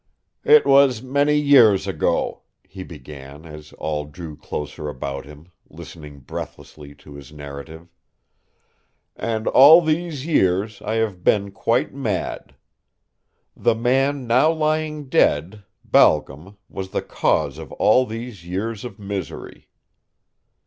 "It was many years ago," he began, as all drew closer about him, listening breathlessly to his narrative, "and all these years I have been quite mad. The man now lying dead, Balcom, was the cause of all these years of misery."